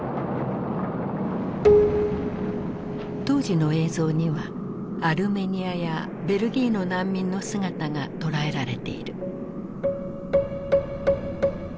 当時の映像にはアルメニアやベルギーの難民の姿が捉えられている。